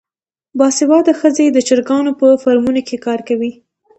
باسواده ښځې د چرګانو په فارمونو کې کار کوي.